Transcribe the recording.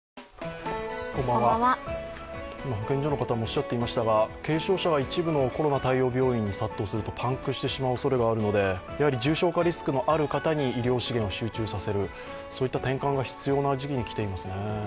今、保健所の方もおっしゃっていましたが、軽症者は一部のコロナ対応病院に殺到するとパンクしてしまうおそれがあるのでやはり重症化リスクのある方に医療資源を集中させるそういった転換が必要な時期に来ていますね。